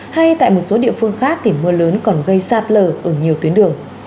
hay tại một số địa phương khác thì mưa lớn còn gây sạt lở ở nhiều tuyến đường